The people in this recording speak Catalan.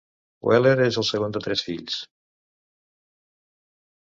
Wheeler és el segon de tres fills.